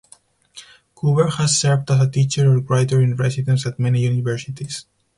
Coover has served as a teacher or writer in residence at many universities.